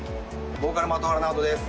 ボーカル真戸原直人です